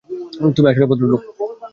তুমি আসলেই ভদ্রলোক।